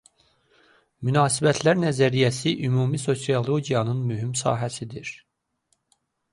Münasibətlər nəzəriyyəsi ümumi sosiologiyanın mühüm sahəsidir.